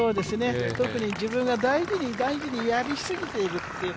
特に自分が大事に大事にやりすぎているって。